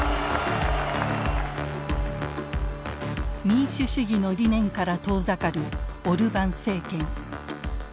民主主義の理念から遠ざかるオルバン政権。